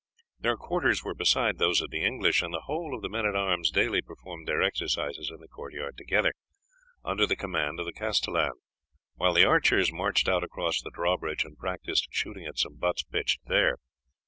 Their quarters were beside those of the English, and the whole of the men at arms daily performed their exercises in the court yard together, under the command of the castellan, while the archers marched out across the drawbridge and practised shooting at some butts pitched there.